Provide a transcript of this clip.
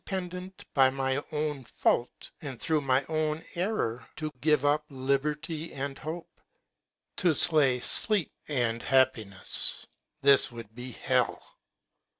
pendent by my own fault and through my own error — to give up liberty and hope, to slay sleep and happiness—this would be hell!